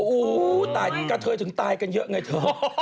อู้วตายกับเธอถึงตายกันเยอะไงเธอ